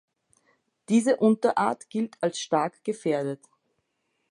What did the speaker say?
Diese Unterart gilt als stark gefährdet.